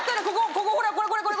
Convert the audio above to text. ここほらこれこれ。